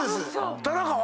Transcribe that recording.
田中は？